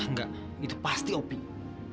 enggak itu pasti opie